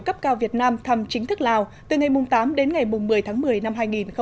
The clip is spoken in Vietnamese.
cấp cao việt nam thăm chính thức lào từ ngày tám đến ngày một mươi tháng một mươi năm hai nghìn một mươi chín